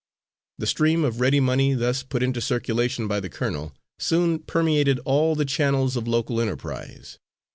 The stream of ready money thus put into circulation by the colonel, soon permeated all the channels of local enterprise.